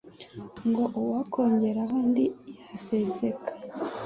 ngo uwakongeraho andi yaseseka